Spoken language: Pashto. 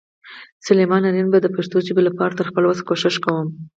سلیمان آرین به د پښتو ژبې لپاره تر خپل وس کوشش کوم.